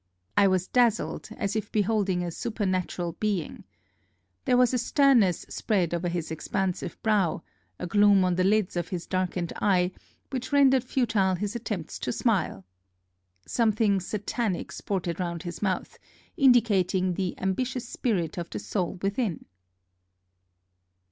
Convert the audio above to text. I was dazzled, as if beholding a super natural being. There was a sternness spread over his expansive brow, a gloom on the lids of his darkened eye, which rendered futile his attempts to smile. Something Satanic sported round his mouth, indicating the ambi tious spirit of the soul within